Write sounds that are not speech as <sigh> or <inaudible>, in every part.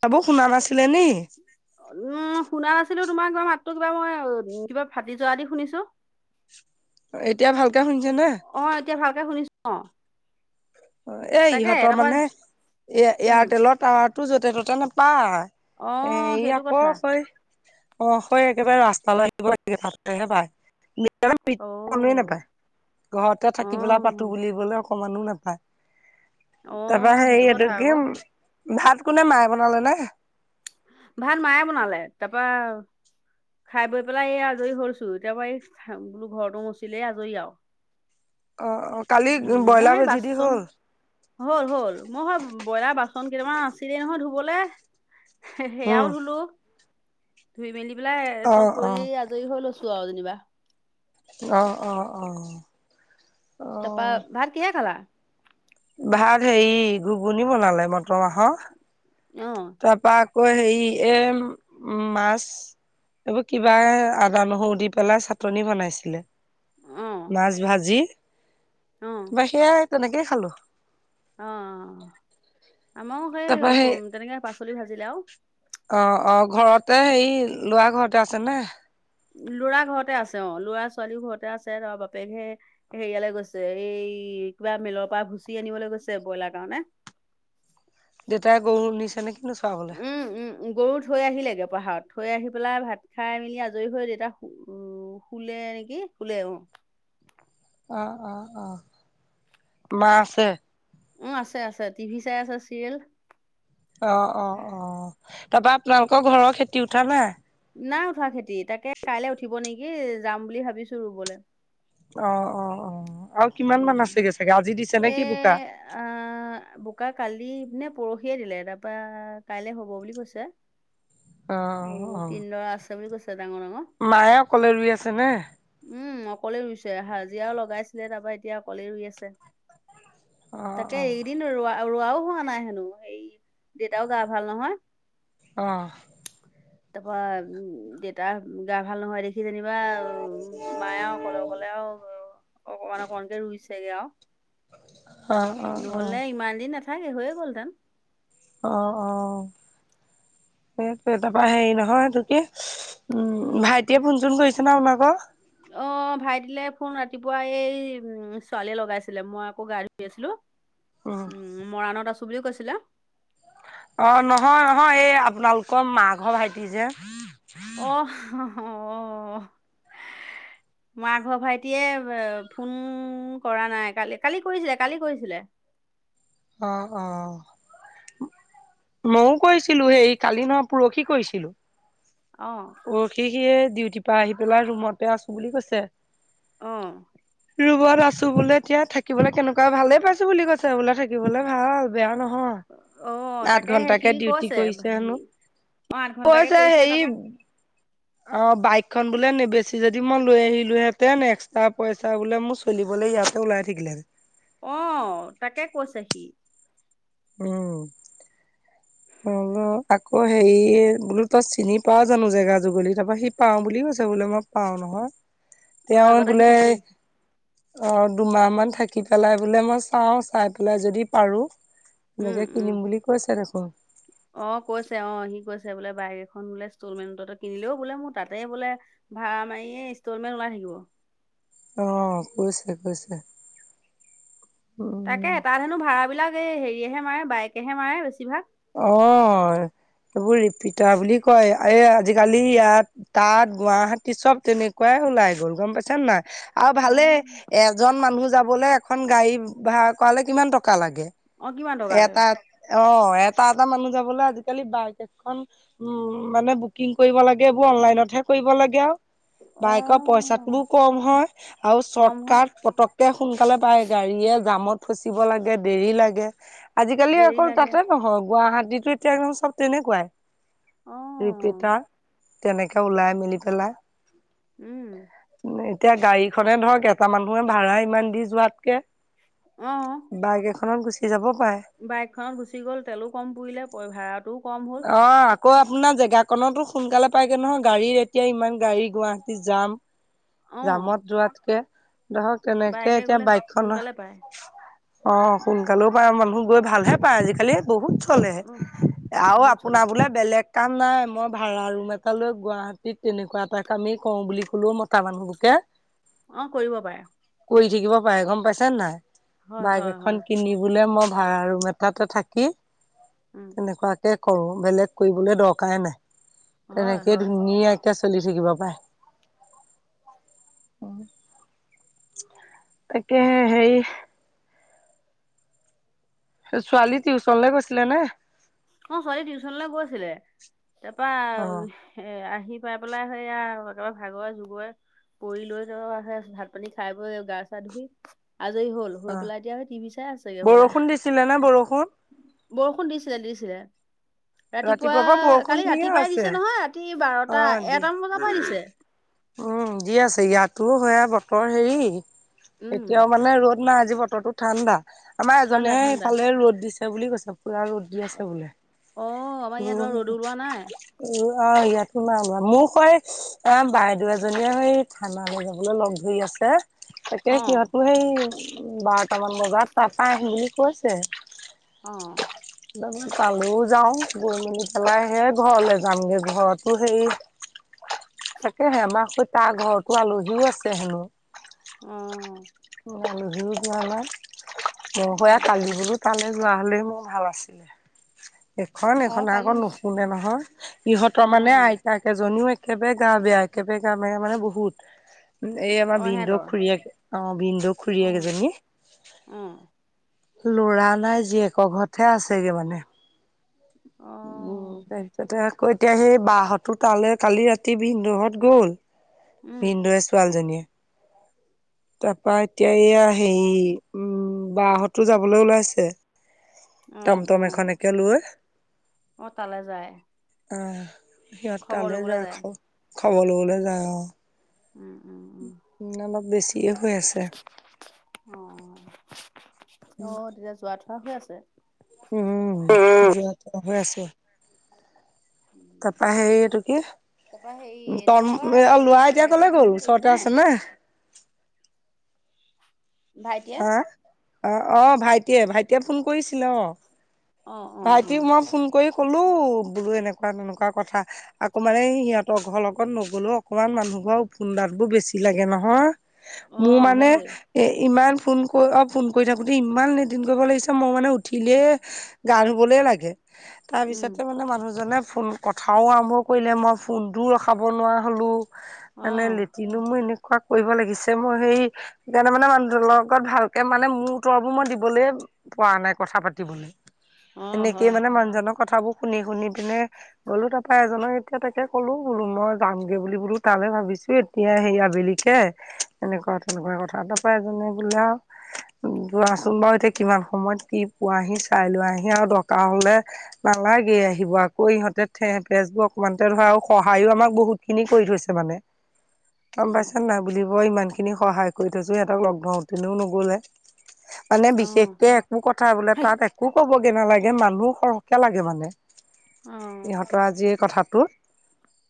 বাবু শুনা নাছিলে নি? উম শুনা নাছিলোঁ। তোমালোকৰ মাতটো কিবা মই কিবা ফাটি যোৱা দি শুনিছোঁ। এতিয়া ভালকে শুনিছে নে? অ এতিয়া ভালকে শুনিছ? এই ইহঁতৰ মানে এ উম এয়াৰটেলৰ টাৱাৰটো য'তে ত'তে অ নোপায়। এ সেইটো আকৌ কথা কই অ', হয় একেবাৰে ৰাস্তালৈ আহিব লাগে তাতেহে পাই। ভিতৰত অ একদমে নাপাই। ঘৰতে অ থাকি পেলাই পাতো বুলিবলৈ অকমানো নাপাই। অ তাৰ পৰা হে সেইটো কথা এইটো কি আকৌ ভাত কোনে মায়ে বনালে নে? ভাল মায়ে বনালে তাৰাপা খাই বৈ পেলাই এই আজৰি হৈছো, এতিয়াৰ পৰা এই বোলো ঘৰতো মচিলেই আজৰি আও। অ অ, কালি মোৰ ব্ৰইলাৰ সেই ভাজি দি বাচন হ'ল। হ'ল হ'ল, মই সেই ব্ৰইলাৰ বাচন কেইটামান আছিলেই নহয় ধুবলে। সেয়াও উম ধুলো, ধুই মেলি পেলাই অ চব অ কৰি আ জৰি হৈ লৈছোঁ আও যেনিবা। অঁ অঁ অঁ। তাপা ভাত কিহে খালা? ভাত হেৰি ঘুগুনি বনালে মটৰ মাহৰ। অঁ। তাৰপা আকৌ হেৰি এ মাছ। কিবা আদা নহৰু দি পেলাই চাটনি বনাইছিলে। মাছ ভাজি। অঁ। মই সেইয়া তেনেকেই খালো। অঁ, আমাৰ সেই তাৰপা তেনেকৈ পাচলি ভাজিলে আও। অঁ অঁ, ঘৰতে হেই লৰা ঘৰতে আছে নে? ল'ৰা ঘৰতে আছে অঁ, ল'ৰা ছোৱালীও ঘৰতে আছে লৰা বাপেকহে হেৰিয়ালৈ গৈছে এই কিবা মেলৰ পৰা ভুচি আনিবলৈ গৈছে ব্ৰইলাৰ কাৰণে। দেউতাই গৰু নিছেনে কিনো চোৱাবলে। উম, উম, গৰু থৈ আহিলেগে পাহাৰত, থৈ আহি পেলাই ভাত খাই মেলি আজৰি হৈ দেউতা শু শু শুলে নেকি শুলে অঁ। অঁ অঁ অঁ, মা আছে? উম, আছে আছে টিভি চাই আছে চিৰিয়েল। অঁ অঁ অঁ, তাৰপা আপোনালোকৰ ঘৰৰ খেতি উঠা না নাই উঠোৱা খেতি, তাকে কাইলে উঠিব নেকি যাম বুলি ভাবিছো ৰুবলে। অঁ অঁ অ, আৰু কিমান মান আছেগে চাগে আজি দিছে নেকি বোকা? অঁ অঁ বোকা কালি নে পৰহিয়ে দিলে তাৰপা কাইলে হব বুলি কৈছে। অ অ আৰু অ তিনিডৰা আছে বুলি কৈছে ডাঙৰ ডাঙৰ। মায়ে অকলে ৰুই আছে নে। উম অকলে ৰুইছে হাজিৰাও লগাইছিলে, তাৰপৰা এতিয়া অকলেই ৰুই আছে। অ অ তাকে এইকেইদিন ৰোৱা ৰোৱাও হোৱা নাই হেনো দেউতাও গা ভাল নহয়। অঁ। তাৰপা উম দেউতা গা ভাল নহয় দে সি যেনিবা উ মায়ে অকলে অকলে আও অকমান অকমানকে ৰুইছেগে আও। <inaudible> অ অ নহ'লে ইমান দিন নাথাকে হৈয়ে গলহেতেন। অঁ অ, সেইটোৱে তাৰাপৰা হেৰি নহয় এইটো কি উম, ভাইটিয়ে ফোন চোন কৰিছেনে আপোনালোকৰ? অঁ ভাইটিলে ফোন ৰাতিপুৱা এই উম ছোৱালীয়ে লগাইছিলে মই আক গা ধুই আছিলো। <inaudible> উম, মৰাণত আছো বুলিও কৈছিলে। অঁ নহয় নহয় এই আপোনালোকৰ মা ঘৰ ভাইটি যে <inaudible> মা ঘৰ ভাইটিয়ে ফোন কৰা নাই কালি, কালি কালি কৰিছিলে কালি কৰিছিলে। অ', - অ। ময়ও কৈছিলো সেই কালি নহয় পৰসী কৈছিলো। অ', শি সিয়ে ডিউটিৰ পৰা আহি পেলাই ৰুমতে আছো বুলি কৈছে। অ', ৰুমত আছো বোলে এতিয়া থাকিবলে কেনেকুৱা ভালে পাইছো বুলি কৈছে বোলে। লে ভাল বেয়া অ নহয় আঠ তাকেহে সি ঘন্টাকে ডিউটি কৈছে কৰিছে হেৰি হেনো। অ আঠ ঘন্টাকে কৈছে কৰিছে হেই তাৰপা অ বাইকখন বোলে নিবেচি যদি মই লৈ আহিলোহেঁতেন এক্সট্ৰা পইচা বোলে মোৰ। খেলিবলৈ ইয়াতে ওলাই থাকিলে হেতেন। অ তাকে কৈছে সি। <unintelligible> আকৌ হেৰী বোলো তই চিনি পাও জানো জেগা যুগলি তাৰপৰা সি পাও বুলি কৈছে বোলে মই। পাওঁ নহয় অ তেওঁ আগতে সি বোলে। থাকি আহিছে অ দুমাহ মান থাকি পেলাই বোলে মই চাওঁ পেলাই যদি পাৰোঁ। উম এনেকে উম কিনিম বুলি কৈছে দেখোন! অ, কৈছে, অ, সি কৈছে। বোলে বাইক এখন বোলে ইনষ্টলমেণ্টতে কিনিলেও বোলে মোৰ তাতে বোলে ভাড়া মাৰিয়ে ইনষ্টলমেণ্ট ওলাই থাকিব। অ, কৈছিলে, কৈছিলে। তাকে, তাত হেনো ভাড়াবিলাক এই হেৰিয়হে মাৰে, বাইকেহে মাৰে বেছিভাগ। অ, এইবোৰ ৰিপিতাৰ বুলি কয়, এই আজিকালি ইয়াত তাত গুৱাহাটী চব তেনেকুৱাই ওলাই গ'ল, গম পাইছ নে নাই! আৰু অ', ভালেই, এজন মানুহ যাবলে এখন গাড়ী ভা়ড়া কৰালে কিমান টকা লাগে। অ', কিমান টকা লাগে এটা, অ, এটা-এটা মানুহ যাবলৈ আজিকালি বাইক এখন উম, মানে বুকিং কৰিব লাগে, এইবোৰ অনলাইনতহে কৰিব লাগে আৰু। বাইকৰ পইচাটোও অ', কম হয়, আৰু কম হয় চৰ্টকাট পতক কে সোনকালে পায়, গাড়ীয়ে জামত ফচিব লাগে, দেৰি লাগে, আজিকালি দেৰি অকল লাগে তাতে <unintelligible> গুৱাহাটীতো এতিয়া একদম চব তেনেকুৱাই অ', ৰিপটাৰ। তেনেকে ওলাই মেলি পেলাই। উম। এতিয়া গাড়ীখনে ধৰক, এটা মানুহে ভা়ড়া ইমান দি যোৱাতকে বাইক এখনত গুচি যাব পাৰে। বাইক খনত গুচি গ'ল, তেলো কম পুৰিলে, ভাড়াটো অ। আকৌ আপোনাৰ জেগাকনতো সোনকালে পায়গে নহয়, গাড়ীৰ এতিয়া ইমান গাড়ী গুৱাহাটী যাম। অ', জামত যোৱাতকে ধৰক, কেনেকে বাইকে এতিয়া গ'লে বাইক খনৰ সোনকালে পায় অ, সোনকালেও পায় মানুহ গৈ, ভালহে পায় আজিকালি বহুত চলে। অ', আৰু বহুত চলে আপোনাৰ বোলে বেলেগ কাম নাই, মই ভাড়া ৰুম এটা লৈ গুৱাহাটীত তেনেকুৱা এটা কামেই কৰো বুলি কলেও ম <unintelligible> মানুহকে অ, কৰিব পাৰে। কৰি থাকিব পাৰে, গম পাইছা নাই! হয়, বাইক হয়, এখন হয়, কিনি বোলে মই ভাড়া ৰুম এটাতে থাকি, উম, তেনেকুৱা কৰো, বেলেগ কৰিবলৈ দৰকাৰে নাই, হয়, তেনেকে হয়, ধুনীয়াকে চলি থাকিব পাৰে। তাকেহে হেৰি ছোৱালী টিউচনলে গৈছিলে নে? অ' হয় টিউচনলে গৈছিলে। তাৰপা অ এ আহি পাই পেলাই সেইয়া একেবাৰে ভাগৰে জুগৰে পৰি লৈ তে ভাত পানী খাই বৈ গা চা ধুই আজৰি হ'ল। অ হৈ পেলাই এতিয়া স টিভি চাই আছেগে হ'বলা। বৰষুণ দিছিলে নে বৰষুণ বৰষুণ দিছিলে দিছিলে। ৰাতিপুৱা ৰাতিপুৱাৰ পৰা বৰষুণ কালি দিয়ে ৰাতিপুৱাই আছে দিছে নহয়, ৰাতি অ বাৰটা দিয়ে এটামান বজাৰ পৰাই দিছে। উম, দি আছে ইয়াতো স বতৰ হেৰি উম এতিয়াও মানে ৰ'দ না আজি বতৰটো ঠাণ্ডা, আমাৰ এজনে ঠাণ্ডা ঠাণ্ডা সেইফালে ৰ'দ দিছে বুলি কৈছে পুৰা ৰ'দ। দি আছে বোলে। অ'। আমাৰ উ, ইয়াত বাৰু ৰ'দ ওলোৱা নাই উ, অ' ইয়াতো নাই ওলোৱা, মোৰ সৈ অ' বাইদেউ এজনীয়ে সেই থানা লৈ যাবলৈ লগ ধৰি আছে। তাকে অ সিহঁতো সেই বাৰটামান বজাত তাৰপা আহিম বুলি কৈছে। অ'। এতিয়া মানে তালৈও যা ওঁ, গৈ মেলি পেলাই হে ঘৰলে যামগে, ঘৰতো সেই তাকেহে আমাৰ হেই তাৰ ঘৰতো আলহীও আছে হেনো। উম। আলহীও যোৱা নাই মই সৈয়া উম কালি বোলো তালে যোৱা হ'লে মোৰ ভাল আছিলে। এখন অ এইখন কালি আকৌ গুচি নুশুনে নহয়, ইহঁতৰ অ মানে আইতাক এইজনীও একেবাৰে গা বেয়া একেবাৰে গা বেয়া মানে বহুত। এই আমাৰ অ ভিনদেউৰ সিহঁতৰ খুৰিয়েকে অ' ভিনদেউৰ অ খুৰীয়েক এজনী অ ল'ৰা নাই জীয়েকৰ ঘৰতহে আছেগে মানে। অ উম' তাতে আকৌ এতিয়া সেই বাহ'তো তালৈ কালি ৰাতি ভিনদেউহ'ত গ'ল। উম ভিনদেউয়ে ছোৱালীজনীয়ে। তাৰপা এতিয়া এইয়া হেৰি উম বাহ'তো যাবলৈ ওলাইছে অ টমটম অ এখনেকে লৈ। অ' অ তালৈ যায় সিহঁত খবৰ তালৈ লবলৈ যায় খাবৰ লবলে যায় অ'। উম, উম, উম। না অলপ বেছিয়ে হৈ আছে। অ' তেতিয়া যোৱা থোৱা হৈ আছে? উম, যোৱা ঠোৱা হৈ আছে। তাৰপা সেই এইটো কি, তাৰপৰা হেৰি এইটো কি তম ল'ৰা কয় এতিয়া ভাইটিয়ে কলৈ ফোন চোন গ'ল, কৰিছে ওচৰতে আছে নে? ভাইটিয়ে হা', অ' অ' ভাইটিয়ে ভাইটিয়ে ফোন কৰিছিলে অহ'। অ অ ভাইটিক অ মই ফোন কৰি ক'লো বোলো এনেকুৱা তেনেকুৱা কথা। আকৌ মানে সিহঁতৰ ঘৰ লগত নগ'লেও অকমান মানুহ ঘৰ ওফোন্দাত বোৰ বেছি লাগে নহয়। অ মোৰ মানে সেইটোৱে এ ইমান ফোন কৰি অ' ফোন কৰি থাকোতে ইমান লেতিন কৰিব লাগিছে মই মানে উঠিলেই গা ধুবলেই লাগে, উম তাৰপিছতে মানে মানুহজনে ফোন কথাও আৰম্ভ কৰিলে, মই ফোনটোও ৰখাব নোৱাৰা হ'লোঁ, অ মনে লেট নো মোৰ এনেকুৱা কৰিব লাগিছে মই সেইকাৰণে মানে মানুহটো অলপ পত ভালকে মানে মোৰ উত্তৰবোৰ মই দিবলৈ পৰা নাই কথা পাতিবলৈ। অ এনেকেই হয় মানে মানুহজনৰ কথাবোৰ শুনি শুনি পিনে। গ'লো তাৰপা এজনক এতিয়া তাকে ক'লো বোলো মই যামগে বুলি বোলো তালৈ ভাবিছোঁ। এতিয়া হেৰি আবেলিতে এনেকুৱা তেনেকুৱা কথা তাৰ পৰা এজনে বোলে আৰু যোৱাচোন বাৰু এতিয়া কিমান সময়ত কি পোৱাহি চাই লৈ আহি আৰু দৰকাৰ হ'লে নালাগে আহিব আকৌ ইহঁতে ঠেহ ফেচবোৰ অকনমান ধৰা আৰু সহায়ো আমাক বহুত খিনি কৰি থৈছে মানে। গম উম পাইছা নে নাই বুলিবই ইমান খিনি সহায় কৰি থৈছো সিহঁতক লগ ধতেনেও <unintelligible> নগ'লে। মানে অ বিশেষকে একো কথা বোলে সেই তাত একো ক'বগে নালাগে মানুহ সৰহকে লাগে মানে। উম। তই আজি এই কথাটোত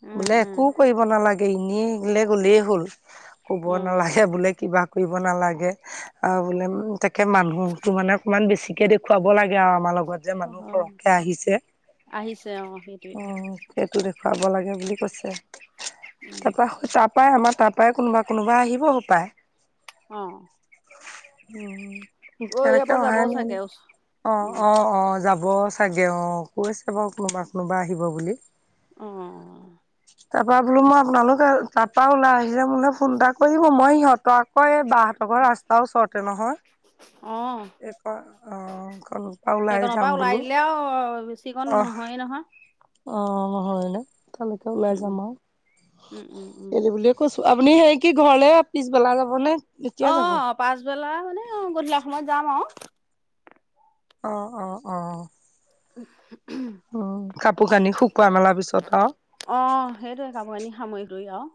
উম বোলে উম একো কৰিব নালাগে এনেই বোলে গ'লেই হ'ল ক'ব উম নালাগে বোলে কিবা কৰিব নালাগে আৰু বোলে তাকে মানুহতো মানে অকমান বেছিকে দেখুৱাই। দেখুৱাব লাগে আৰু আমাৰ লগত যে অ মানুহ সৰহকে আহিছে আহিছে অ সেইটোৱে অহ সেইটো দেখুৱাব লাগে বুলি কৈছে উম তাৰ পৰা সেই তাত তাৰপাৰাই আমাৰ তাৰ পৰাই কোনোবা কোনোবা আহিব হ'ব পায়। অহ'। উম অ ইয়াৰ কেনেকে পৰা যাব সহায় ন চাগে <unintelligible> ওচ অ' উম অ' যাব। চাগে অ' কৈ আছে বাৰু কোনোবা কোনোবা আহিব বুলি। উম। উ <unintelligible> তাৰপৰা বোলো মই আপোনালোক তাৰপৰা ওলাই আহিছে মোলে ফোন এটা কৰিব মই সিহঁতৰ আকৌ এই বা হঁতৰ অকল ৰাস্তা ওচৰতে নহয় অ ওলাই সেইকনৰ পৰা যাম বোলো ওলাই দিলে আও, বেছিকণ অহ নহয়ে নহয়। অ' হয়নে তালৈকে ওলাই উম, যাম আৰু উম, উম, উম। গেলি <unintelligible> বুলি। কৈছোঁ, আপুনি সেই কি ঘৰলে পিছবেলা যাব নে? এতিয়া যাব অ' পাছবেলা মানে অ' গধূলা সময়ত যাম আৰু অ', অ', অ', অ'। উ <unintelligible> উ' কাপোৰ -কানি শুকুৱাই মেলা পিছত আৰু অ' সেইটোয়ে কাপোৰ -কানি সামৰি সোতৰি আৰু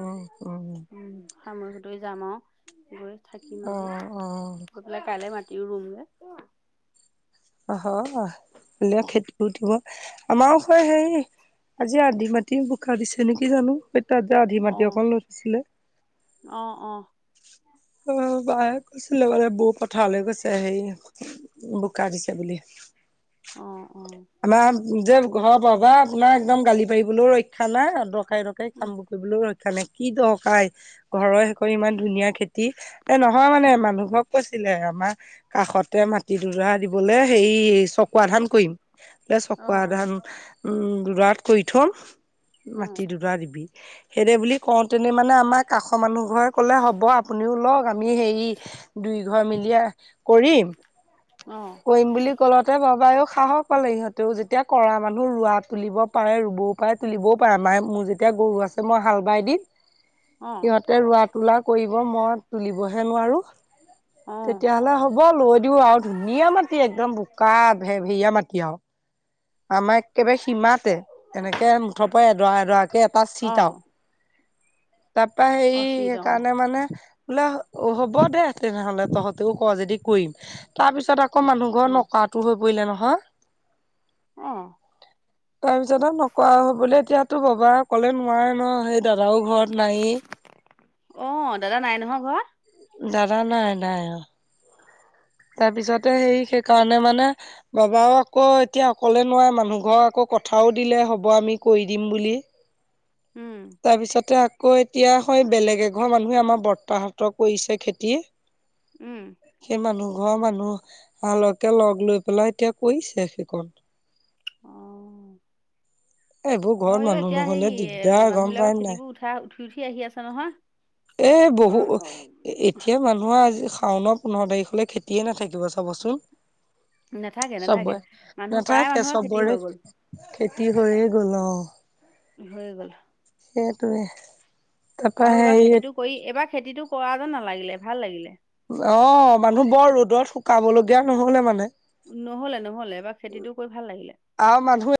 উ, অ'। উম, সামৰি -সোতৰি যাম আৰু গৈ থাকিম অ অ আজি। কাইলৈ মাতিও ৰুম যে। অ' হয় কাইলৈ খেতিও উঠিব আমাৰো হয় হেৰি আজি আধি মাটি বোকা দিছে নেকি? জানো তাত যে আধি মাটি অ'। অকণ লৈ থৈছিলে। অ', অ'। অ' বায়ে কৈছিলে বোলে বৌ পথাৰলৈ গৈছে হেৰি বোকা দিছে বুলি। অ', অ'। আমাৰ যে ঘৰৰ বাবা আপোনাৰ একদম গালি পাৰিবলৈও ৰক্ষা নাই। ধকাই ধকাই <unintelligible> কামবোৰ কৰিবলৈও ৰক্ষা নাই কি দৰকাৰ? ঘৰৰ সেইকণ ইমান ধুনীয়া খেতি এ' নহয় মানে মানুহ ঘৰক কৈছিলে আমাৰ কাষতে মাটি দুদৰা দিবলৈ হেৰি চকুৱা ধান কৰিম। বোলে অ', চকুৱা ধান উম দুদৰাত কৰি থম উম, মাটি দুদৰা দিবি। সেইদৰে বুলি কওঁতেনে মানে আমাৰ কাষৰ মানুহঘৰে ক'লে হ'ব আপুনিও লওঁক আমি হেৰি দুই ঘৰ মিলিয়ে কৰিম, অ', কৰিম বুলি ক'লতে বাবাও সাহক পালেও, ইহঁতেও যেতিয়া কৰা মানুহ ৰোৱা তুলিব পাৰে, ৰুবও পাৰে, তুলিবও পাৰে মায়ে মোৰ যেতিয়া গৰু আছে ত, মই হাল বাই দিম। অ', সিহঁতে ৰোৱা-তোলা কৰিব মই তুলিবহে নোৱাৰো, অ', তেতিয়াহ'লে হ'ব। হ'ব লৈ দিওঁ আৰু ধুনীয়া মাটি একদম বোকা ভেভেৰিয়া মাটি। আমাৰ একেবাৰে সীমাতে, এনেকে মুঠ পৰা এডৰা, এডৰাকে এটা চিত আৰু অ', তাপা হেৰি অচিত অ', সেইকাৰণে মানে বোলে অ, হ'ব দেহ, তেনেহ'লে তহঁতেও কৰ যদি কৰিম তাৰপিছত আকৌ আকৌ মানুহ ঘৰ অ', নকৰাতো হৈ পৰিলে নহয়। অ, তাৰপিছত আৰু নকৰা হৈ পৰিলে, এতিয়াতো বাবা অকলে নোৱাৰে ন, সেই দাদাও ঘৰত নাইয়ে। অ, দাদা নাই নহয়, ঘৰত। দাদা নাই, নাই, অ, তাৰপিছতে সেই সেইকাৰণে মানে বাবাও আকৌ এতিয়া অকলে নোৱাৰে, মানুহ ঘৰক আকৌ কথাও দিলে হ'ব আমি কৰি দিম বুলি। উম, তাৰপিছতে আকৌ এতিয়া সেই বেলেগ এঘৰ মানুহে আমাৰ বৰতাহঁতৰ কৰিছে খেতি। উম, সেই মানুহ ঘৰৰ মানুহালকে, লগ লৈ পেলাই এতিয়া কৰিছে সেইকন। অ, এইবোৰ ঘৰত হয় অ, মানুহ এতিয়া হেৰি নহ'লে দিগদাৰ মানুহ গম পাই বিলাকৰ নাই। খেতিবোৰ উঠাই উঠি, উঠি, আহি আছে নহয়। এ, বহু উম, এ, অ, এতিয়া মানুহৰ আজি শাওনা পোন্ধৰ তাৰিখলৈ খেতিয়ে নাথাকিব চাবচোন। নাথাকে নাথাকে চবৰে, মানুহ প্ৰায় নাথাকে মানুহৰ খেতি হৈ চবৰে। গ'ল খেতি হৈয়ে, গ'ল অ, হৈ গ'ল। সেইটোৱে। তাৰপা আৰু এইবাৰ হেৰি খেতিটো কৰি এইবাৰ খেতিটো কৰা যেন নালাগিলে, ভাল লাগিলে। অ, মানুহ বৰ ৰ'দত শুকাব লগীয়া নহ'লে মানে। নহ'লে, নহ'লে, এবাৰ খেতিটো কৰি ভাল লাগিলে। আৰু মানুহে